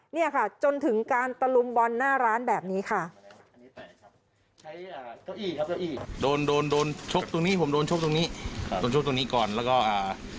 เนี่ยค่ะจนถึงการตะลุมบอลหน้าร้านแบบนี้ค่ะ